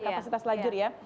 kapasitas lajur ya